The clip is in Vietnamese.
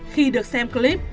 khi được xem clip